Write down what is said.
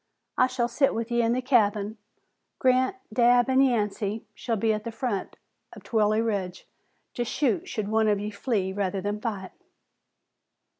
I shall sit with ye in the cabin. Grant, Dabb an' Yancey shall be at the foot of Trilley Ridge, to shoot should one of ye flee rather than fight."